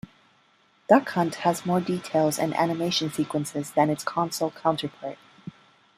Duck Hunt has more details and animation sequences than its console counterpart.